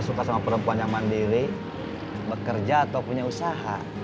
suka sama perempuan yang mandiri bekerja atau punya usaha